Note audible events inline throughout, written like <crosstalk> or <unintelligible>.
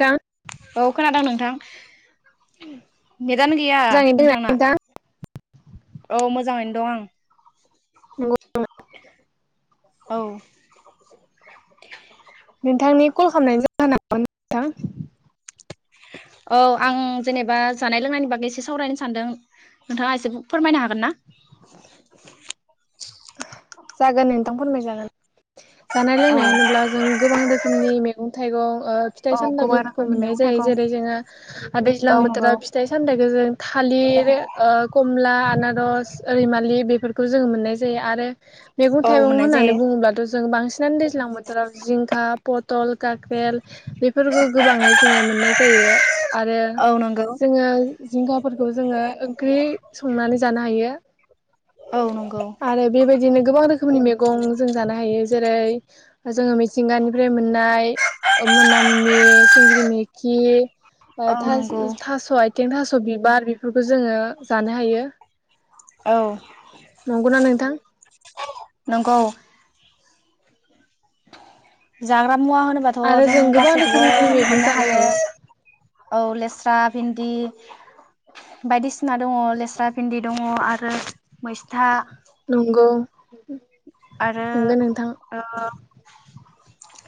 नोंथां औ खोनादों नोंथां नेदानो गैया मोजाङै दोंना नोंथांना नोंथां <inaudible> औ मोजाङैनो दं आं औ औ नोंथांनि कल खालामनायनि जाहोना नोंथां औ आं जेनेबा जानाय लोंनायनि बागै एसे सावरायनो सानदों नोंथाङा एसे फोरमायनो हागोन ना? जागोन नोंथां फोरमायजागोन। जानाय लोंनाय होनोब्ला जों गोबां रोखोमनि मैगं थाइगं ओ फिथाइ औ सामथाइ गोबां बेफोरखौ रोखोमनि मोननाय मैगं जायो थाइगं जेरै जोङो औ दैज्लां नंगौ बोथोराव फिथाइ सामथाइखौ जों थालिर खम खमला आनारस रैमालि बेफोरखौ जोङो मोननाय ज यो आरो मैगं औ थाइगं मोननाय होननानै जायो बुङोब्लाथ' जों बांसि नानो दैज्लां बोथोराव जिंखा पट तल, काख्रेल बेफोरखौ गोबाङै जोङो मोननाय जायो आरो औ नंगौ जोङो जिंगाफोरखौ जोङो ओंख्रि संनानै जानो हायो। औ नंगौ आरो बेबायदिनो गोबां रोखोमनि मे गं जों जानो हायो जेरै जोङो मिथिंगानिफ्राय मोननाय मोनामनि सिंग्रि मोखि औ था नंगौ थास' आय थिं थास' बिबार बेफोरखौ जोङो जानो हायो। औ नंगौना नोंथां नंगौ जाग्रा मुवा होनोबाथ' आरो जों गोबां गासैखौबो रोखोमनि मैगं मोननो जानो हायो। औ लेस्रा भिन्दि बायदिसिना दङ लेस्रा भिन्दि दङ आरो मैस्था नंगौ आरो नंगौ नोंथां। ओ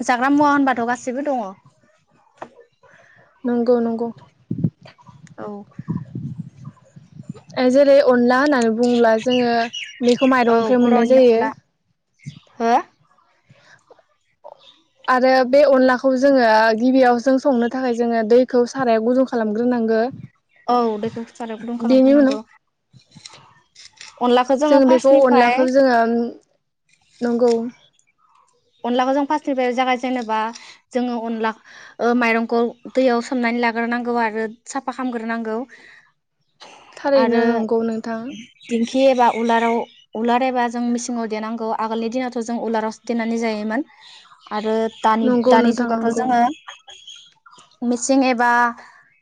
जाग्रा मुवा होनबाथ' गासिबो दङ। नंगौ नंगौ। औ ओ जेरै अनला होननानै बुङोब्ला जोङो बेखौ औ माइरंनिफ्राय मोननाय बर'नि जायो। अनला हो आरो बे अनलाखौ जोङो गिबियाव जों संनो थाखाय जोङो दैखौ सारायाव गुदुं खालामग्रोनांगौ। औ दैखौ सारायाव गुदुं खालामग्रोनांगौ अनलाखौ जोङो जों बेखौ फार्स्टनिफ्राय अनलाखौ जोङो नंगौ अनलाखौ जों फार्स्टनिफ्राय जागाय जेनेबा जोङो अनला ओ माइरंखौ दैयाव सोमनानै लाग्रोनांगौ आरो साफा खालामामग्रोनांगौ। थारैनो नंगौ नोंथां खि एबा उलाराव उलार एबा जों मिसिङाव देनांगौ आगोलनि दिनावथ' जों उलाराव देनानै जायोमोन। आरो दानि नंगौ दानि नोंथां जुगावथ' नंगौ जोङो मिसिं एबा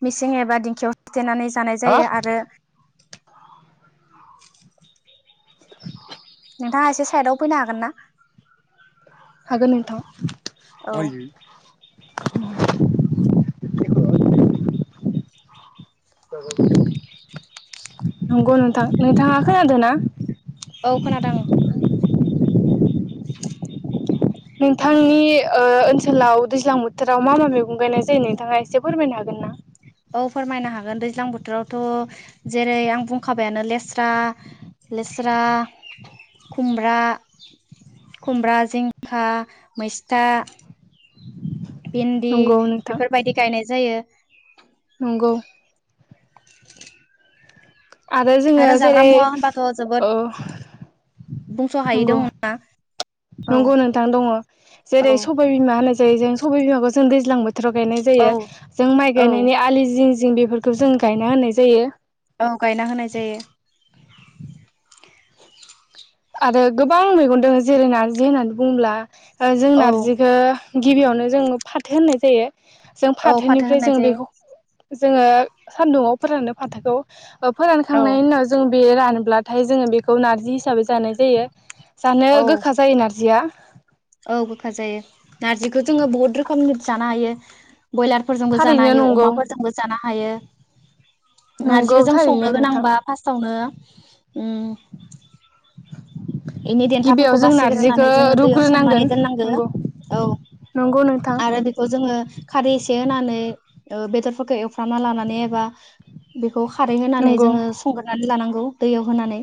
मिसिं एबा दिंखियाव देनानै जानाय जायो आरो नोंथाङा एसे साइदाव फैनो हागोन ना? हागोन नोंथां। औ <unintelligible> <unintelligible> नंगौ नोंथां नोंथाङा खोनादों ना? औ खोनादों आं। नोंथांनि ओ ओनसोलाव दैज्लां बोथोराव मा मा मैगं गायनाय जायो नोंथाङा एसे फोरमायनो हागोन ना? औ फोरमायनो हागोन दैज्लां बोथोरावथ' जेरै आं बुंखाबायानो लेस्रा लेस्रा खुमब्रा खुमब्रा जिंखा मैस्था भिन्दि नंगौ नोंथां बेफोरबायदि गायनाय जायो। नंगौ। आरो जोङो जाग्रा जेरै मुवा होनबाथ' जोबोद औ बुंस' हायै नंगौ। दङना औ नंगौ नोंथां दङ औ जेरै सबाय बिमा होननाय जायो जों सबाय बिमाखौ सोन दैज्लां बो थोराव गायनाय जायो औ जों माइ गायनाय नि आलि जिं जिं जों बेफोरखौ जों गायना होनाय जायो औ गायना होनाय जायो। आरो गोबां मैगं दङै जेरै नारजि होननानै बुङोब्ला जों औ नारजिखौ गिबियावनो जों फाथो होनो जायो। जों औ फाथो फाथोनिफ्राय होनाय जों जायो बेखौ जोङो सानदुङाव फोराननो फाथोखौ ओ औ फोरानखांनायनि उनाव जों बे रानब्लाथाय जोङो बेखौ नारजि हिसाबै जानाय जायो। जानो औ गोखा जायो नारजिया औ गोखा जायो नारजिखौ जोङो बहुद रोखोमनि <unintelligible> जानो हायो। बयलारफोरजोंबो जानो थारैनो हायो नंगौ अमाफोरजोंबो जानो हायो नंगौ नारजिखौ जों थारैनो संनो नोंथां गोनांबा फारसटावनो उम बेनि गिबियाव देन्थाफोरखौ जों बासिग्रोनानै नारजिखौ जोङो दैयाव सोमनानै रुग्रोनांगोन दोननांगो नंगौ औ नंगौ नोंथां आरो बेखौ जोङो खारै एसे होनानै बेदरफोरखौ एवफ्रामना लानानै एबा बे बेखौ खारै होनानै नंगौ जोङो संग्रोनानै लानांगौ दैयाव होनानै।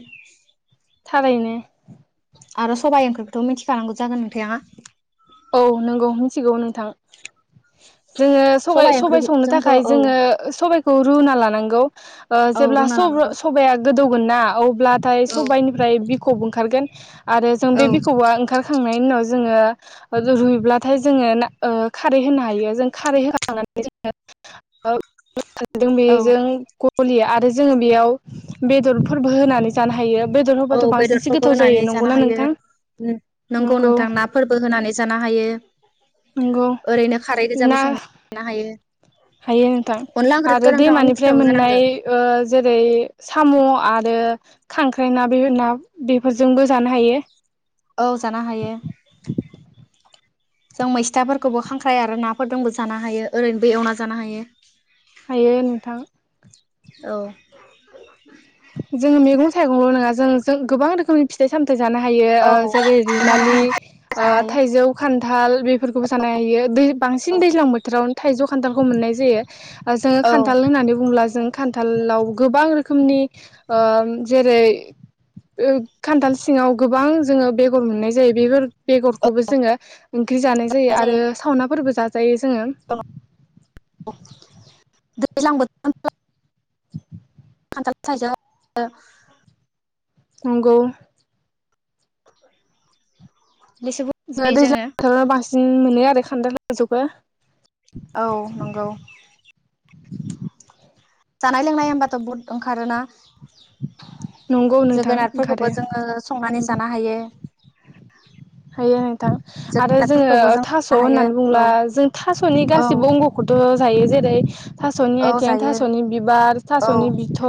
थारैनो। आरो सबाइ ओंख्रिफोरखौथ' मिथिखानांगौ जागोन नोंथाङा? औ नंगौ मिथिगौ नोंथां। जोङो सबाय सबाइ सबाय संनो ओंख्रिजोंथ' थाखाय औ जोङो सबाइखौ रुना लानांगौ ओ औ जेब्ला रुना लानांगौ सबाया गोदौ ना औ <unintelligible> ब्लाथाय औ सबाइनिफ्राय ख'ब ओंखारगोन। आरो जों औ बे बिख'बआ ओंखारखांनाय बेनि उनाव जोङो रुइब्लाथाय जोङो ना ओ खारै होनो हायो जों खारै होखांनानै जोङो <inaudible> ओ <inaudible> औ बेजों गलि आरो जोङो बेयाव बेदर फोरबो होनानै जानो हायो। बेदर औ होबाथ' बांसिनसो बेदरफोरबो गोथाव जायो होनानै जानो नंगौना हायो नोंथां नोंगौ नंगौ नोंथां नाफोरबो होनानै जानो हायो। नंगौ ओरैनो खारै गोजाबो ना संना जानो हायो हायो नोंथां अनला आरो ओंख्रिखौथ' नोंथाङा दैमानिफ्राय मिथिखागौ जानांगो मोननाय ओ जेरै साम' आरो खांख्राइ ना बेफो ना बेफोरजोंबो जानो हायो। औ जानो हायो जों मैस्थाफोरखौबो खांख्राइ आरो नाफोरदोंबो जानो हायो ओरैनोबो एवना जानो हायो। हायो नोंथां। औ जोङो मैगं थाइगंल' नङा जों जों गोबां रोखोमनि फिथाइ साम- थाइ जानो हायो ओ जेरै गोबां रैमालि रोखोमनि ओ जानो हायो थाइजौ खान थाल बेफोरखौबो जानो हायो दै बांसिन दैज्लां बोथोरावनो थाइजौ खान्थाल खौ मोननाय जायो। जोङो औ खान्थाल होननानै बुङोब्ला जों खान्थाल आव गोबां रोखोमनि ओ जेरै ओ खान्थाल सिङाव गोबां जोङो बेगर मोननाय जायो बेफोर बेगरखौबो जोङो ओंख्रि जानाय जायो आरो सावना फोरबो जाजायो जोङो दैज्लां <inaudible> बोथोर खान्थाल थाइजा नंगौ। लिसुबो जों <inaudible> जायो दैज्लां जोङो बोथोराव बांसिन मोनो आर खान्थाल <inaudible> थाइजौबो औ नंगौ। <inaudible> जानाय लोंनाय होमबाथ' बहुद ओंखारोना। नंगौ नोंथां जोगोनार ओंखारो फोरखौबो जोङो संनानै जानो हायो। हायो नोंथां आरो जोङो जोगोनारफोरखौबो जों थास जानो हायो होननानै बुंब्ला औ जों थासनि औ गाससिबो अंगखौथ' जायो जेरै थास'नि औ आथिं, जायो थास'नि बिबार, औ थास'नि बिथ,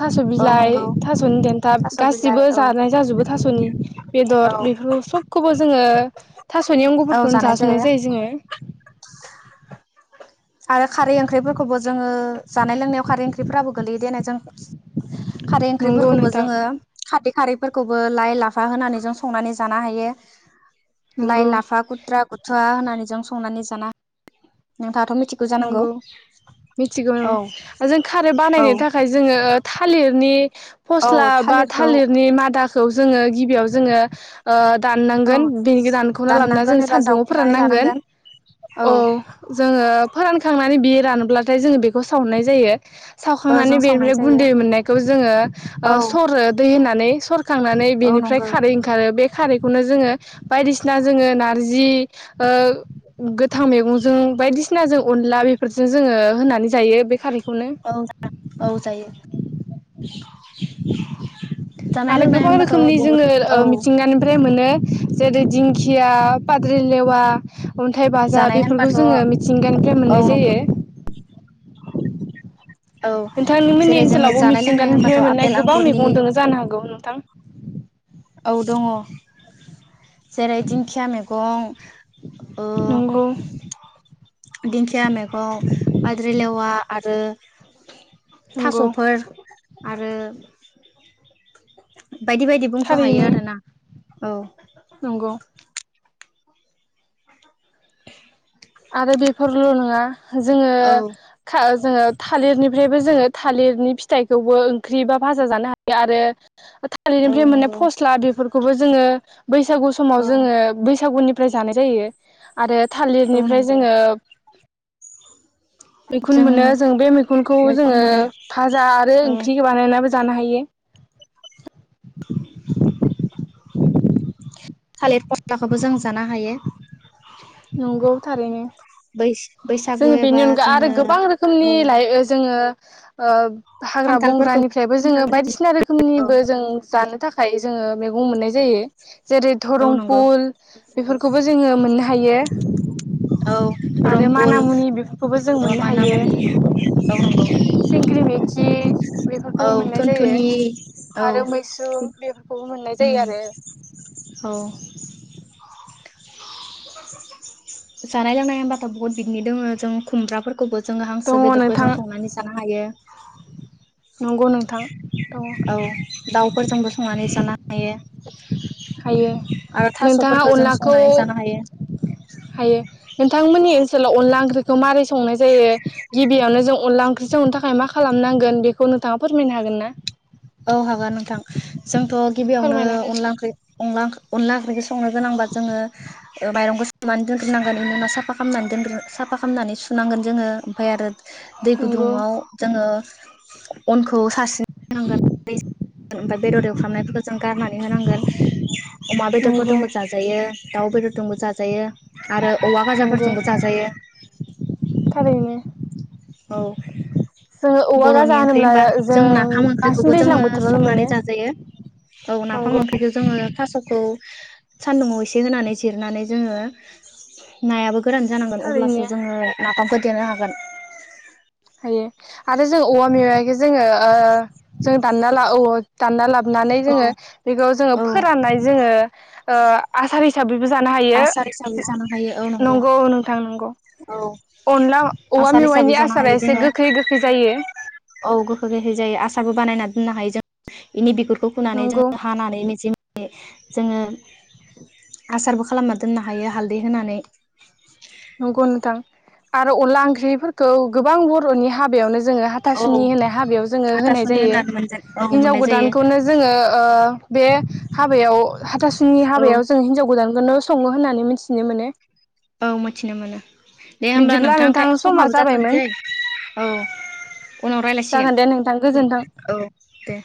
थास' औ बिलाइ, नंगौ थास'नि देन्थाब थास' बिलाइ गासिबो औ जानाय जाजोबो थासनि बेदर औ बेफोर सबखौबो जोङो थास'नि औ अंगफोरखौनो जानाय जाजोबनाय जायो जोङो आरो खारै ओंख्रिफोरखौबो जोङो जानाय, लोंनायाव खारै ओंख्रिफोराबो गोलै देनाय जों खारै नंगौ ओंख्रिफोरखौबो नोंथां जोङो खारै खारैफोरखौबो लाइ, लाफा होनानै जों संनानै जानो हायो। लाय, नंगौ लाफा कुट्रा बुथावा होनानै जों संनानै जाना नोंथाङाथ' मि नंगौ मिथिगौ औ आरो जों खारै औ बानायनो थाखाय जोङो थालिरनि औ फस्ला बा थालिरखौ थालिरनि मादाखौ जोङो गिबियाव जोङो ओ औ दाननांगोन बेनि दानखौना लाबोना जों दाननांगोन एबा सान्दुाव जावखुनानै फोराननांगोन। लानांगोन औ जोङो थांनानै बि रानोब्लाथाय जोङो बेखौ सावनाय जायो। ओ सावखांनानै जों सावनाय बेनिफ्राय जायो गुन्दै मोननायखौ जोङो ओ औ सरो दै होनानै। खांनानै औ बेनिफ्राय नंगौ खारै ओंखारो बे खारैखौनो जोङो बायदिसिना जोङो नारजि ओ गोथां मैगंजों बायदि सिनाजों अनला बेफोरजों जोङो होनानै जायो बे खारै औ औ जायो। <unintelligible> आरो लोंनाय गोबां होनबाथ' रोखोमनि बहुद जोङो ओ औ मिथिंगानिफ्राय मोनो जेरै दिंखिया, फाद्रि, लेवा, अन्थाइ बाजा जानाय बेफोरखौ होनबाथ' जोङो मिथिंगानिफ्राय औ मोननाय जायो। औ नोंथांनि मोननि जेरै जोङो ओनसोलावबो जानाय लोंनाय मिथिंगानिनिफ्राय होनबाथ' मोननाय आपेल गोबां आंगुरनि मैगं दङ जानो हागौ नोंथां। औ दङ जेरै दिंखिया मैगं ओ नंगौ दिंखिया मैगं बाद्रिलेवा, आरो नंगौ थास'फोर आरो बायदि-बायदि बुंस' हायो थारैनो आरो ना औ नंगौ आरो बेफोरल' नङा जोङो औ जोङो थालिरनिफ्रायबो जोङो थालिरनि फिथाइखौबो ओंख्रि बा भाजा जानो हायो आरो औ थालिरनिफ्राय मोननाय नंगौ फस्ला बेफोरखौ खौबो जोङो बैसागु समाव औ जोङो बैसागुनिफ्राय जानाय जायो आरो औ थालिरनि ओमफ्राय नंगौ जोङो मैखुन मोनो जों बे मैखुनखौ मैखुन जोङो मोनो फाजा आरो औ ओंख्रिखौ बानायनाबो जानो हायो <unintelligible> थालिर फस्लाखौबो जों जानो हायो नंगौ थारैनो बै जों बैसागु बेनि एबा अनगा आरो जोङो गोबां औ रोखोमनि लाइ जोङो आ खान्थालफोरखौ हाग्रा-बंग्रानिफ्रायबो जोङो बायदिसिना औ रोखोमनिबो जों जानो थाखाय जोङो मगं मोननाय जायो जेरै औ धरं नंगौ फुल बेफोरखौबो जोङो मोननो हायो औ आरो धरमपुल माना मुनि बेफोरखौबो जों मोननो हायो माना-मुनि औ नंगौ सिंग्रि मैखि बेफोरखौबो औ मोननाय जायो थुनथुनि औ आरो मैस्रुम बेफोरखौबो मोननाय जायो आरो जानाय-लोंनाय होनबाथ' बुहुत बिदिनो दङो जों खुमब्राफोरखौबो जोङो हांसो दङ नोंथां बेदरफोरजों संनानै जानो हायो नंगौ नोंथां दङ औ दाउफोरजोंबो संनानै जाना हायो हायो आरो नोंथाङा थास'फोरखौ जों अनलाखौ संनानै जानो हायो हायो नोंथांमोननि ओनसोलाव अनला ओंख्रि खौ माबोरै संनाय जायो गिबियावनो जों अनला ओंख्रि संनो थाखाय मा खालामनांगोन बेखौ नोंथाङा फोरमायनो हागोन ना औ हागोन नोंथां जोंथ' गिबियावनो फोरमायना हो अनला ओंख्रि-अनला ओंख्रि अनदला ओंख्रिखौ संनो गोनांबा जोङो माइरंखौ सुनानै दोनग्रोनांगोन इनि उनाव साफानानै दोनग्रो साफा खालामनानै सुनांगोन जोङो ओमफ्राय आरो। दै नंगौ गुदुङाव जोङो। अनखौ <unintelligible> ओमफ्राय बेदर एवफ्रामनायफोरखौ जों गारनानै होनांगोन अमा बेदरफोर नंगौ दोंबो जाजायो। दाउ बेदरदोंबो जाजायो। आरो औवा नंगौ गाजाफोरजोंबो जाजायो। थारैनो औ जोङो औवा गाजा बर'नि ओंख्रि होनोब्ला होनबा जों नाफाम बांसिन ओंख्रिखौबो दैज्लां जोङो बोथोरावनो संनानै मोनो जाजायो औ नंगौ नाफाम ओंख्रिखौ जोङो थास'खौ। सान्दुंङाव एसे होनानै जिरनानै जोङो नायाबो गोरान जानांगोन थारैनो अब्लासो जोङो नाफामखो। देनो हागोन। हायो आरो जोङो अवा मेवाइखौ जोङो ओ जों दानना ला औ दान्ना ला नानै औ जोङो बेखौ जोङो औ फोराननाय जोङो। ओ आसार हिसाबै बो जानो हायो आसार हिसाबै जानो हायो औ नंगौ नोंथां नंगौ। औ अनला औवा आसार हिसाबै मेवाइनि जानो हायो आसारा एसे जोङो गोखै गोखै जायो। <inaudible> औ गोखै गोखै जायो आसारबो बानायना दोननो हायो जों इनि बिगुर खौ फुनानै नंगौ जों हानानै मिजि जोङो आसारबो खालामना दोननो हायो हालदै होनानै। नंगौ नोंथां। आरो अनला ओंख्रिफोरखौ गोबां बर'नि हाबायावनो जोङो औ हाथासुनि होननाय हाबायाव जोङो होनाय हाथासुनि जायो होननानै मोनजा औ हिनजाव मोननाय जायो गोदानखौनो जोङो ओ बे हाबायाव हाथासुनि औ हाबायाव जों हिन्जाव गोदानखौनो सङो होननानै मिथिनो मोनो। औ मिथिनो मोनो दे होमब्ला बिदिब्ला नोंथांथाय नोंथां समा समाबो जाबायमोन जाथ'नोसै औ उनाव रायज्लायसिगोन जागोन दे नोंथां गोजोन्थों औ दे।